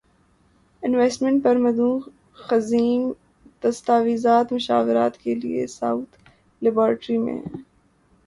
investment پر مدون ضخیم دستاویزات مشاورت کے لیے ساؤتھ لیبارٹری میں ہیں